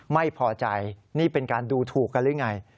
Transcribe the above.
ไม่พอใจนี่เป็นการดูถูกกันหรือไง